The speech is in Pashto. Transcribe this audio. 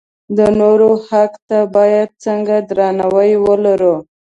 د نورو حق ته باید څنګه درناوی ولرو.